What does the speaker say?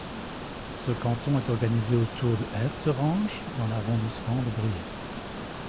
Ce canton est organisé autour de Herserange dans l'arrondissement de Briey.